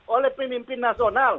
oleh pemimpin nasional